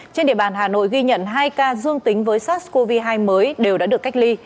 trên địa bàn hà nội ghi nhận hai ca dương tính với sars cov hai mới đều đã được cách ly